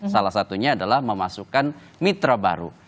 salah satunya adalah memasukkan mitra baru